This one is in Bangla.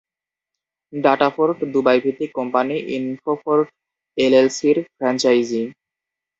ডাটাফোর্ট দুবাইভিত্তিক কোম্পানি ইনফোফোর্ট এলএলসির ফ্র্যাঞ্চাইজি।